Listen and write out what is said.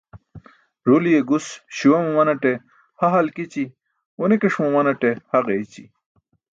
Ruliye gus śuwa mumanate ha halkići, ġuni̇ki̇ṣ mumanate ha ġeeyci̇.